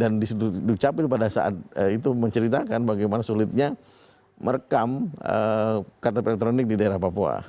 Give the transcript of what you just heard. dan di situ duk capil pada saat itu menceritakan bagaimana sulitnya merekam kata elektronik di daerah papua